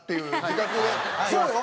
そうよ！